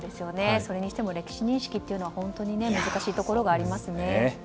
それにしても歴史認識は難しいところがありますね。